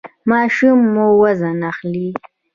ماشوم مو وزن اخلي؟